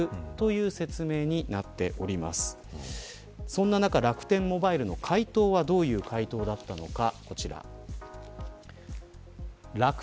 そんな中、楽天モバイルの回答はどういう回答だったのか。